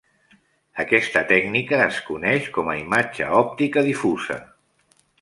Aquesta tècnica es coneix com a imatge òptica difusa.